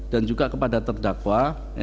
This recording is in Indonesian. dan juga kepada terdakwa